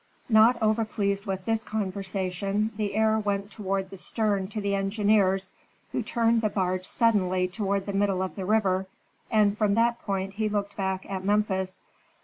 Not over pleased with this conversation, the heir went toward the stern to the engineers, who turned the barge suddenly toward the middle of the river, and from that point he looked back at Memphis.